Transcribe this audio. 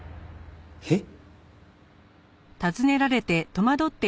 えっ？